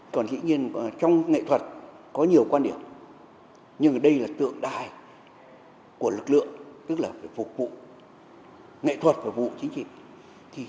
còn dĩ nhiên trong nghệ thuật có nhiều quan điểm nhưng đây là tượng đài của lực lượng tức là phải phục vụ nghệ thuật và vụ chính trị